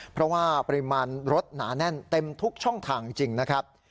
เพราะว่าปริมาณรถหนาแน่นเต็มทุกช่องทางจริงนะครับ